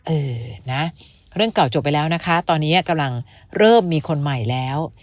เออนะเรื่องเก่าจบไปแล้วนะคะตอนนี้กำลังเริ่มมีคนใหม่แล้ว